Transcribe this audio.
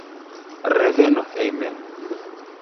Reveno hejmen.